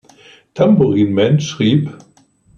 Tambourine Man" schrieb.